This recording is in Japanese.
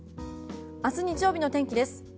明日、日曜日の天気です。